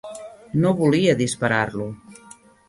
No volia disparar-lo.